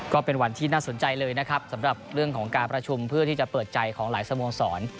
ก็เป็นวันที่น่าสนใจเลยนะครับสำหรับเรื่องของการประชุมเพื่อที่จะเปิดใจของหลายสโมสร